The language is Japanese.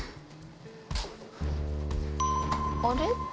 あれ？